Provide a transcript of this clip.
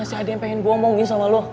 masih ada yang pengen gue ngomongin sama lo